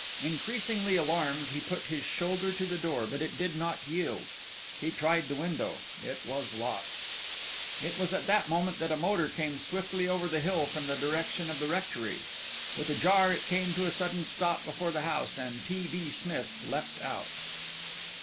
Increasingly alarmed, he put his shoulder to the door, but it did not yield. He tried the window; it was locked. It was at that moment that a motor came swiftly over the hill from the direction of the rectory. With a jar it came to a sudden stop before the house, and T. B. Smith leapt out.